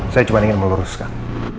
saya cuma ingin meluruskan